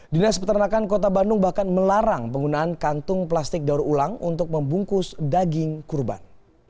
dinas peternakan kota bandung bahkan melarang penggunaan kantung plastik daur ulang untuk membungkus daging kurban